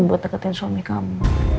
buat deketin suami kamu